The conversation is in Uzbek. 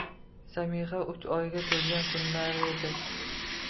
Samiha uch oyga to'lgan kunlar edi.